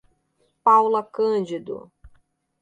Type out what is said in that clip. Paula Cândido